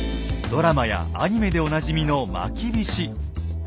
ドラマやアニメでおなじみのまきびし。